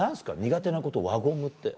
苦手なこと輪ゴムって。